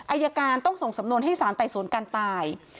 อายการต้องส่งสำนวนให้สารไต่สวนการตาย